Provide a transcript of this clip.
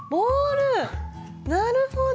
なるほど。